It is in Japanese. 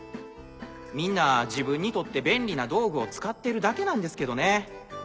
みんな自分にとって便利な道具を使ってるだけなんですけどね。